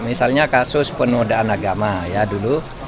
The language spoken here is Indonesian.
misalnya kasus penodaan agama ya dulu